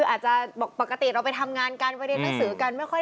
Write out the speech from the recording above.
อาจจะบอกปกติเราไปทำงานกันไปเรียนภาษาสื่อกัน